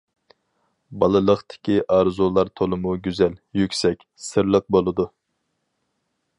بالىلىقتىكى ئارزۇلار تولىمۇ گۈزەل، يۈكسەك، سىرلىق بولىدۇ.